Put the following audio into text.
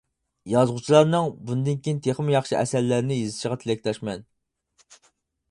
يازغۇچىلارنىڭ بۇندىن كىيىن تېخىمۇ ياخشى ئەسەرلەرنى يېزىشىغا تىلەكداشمەن.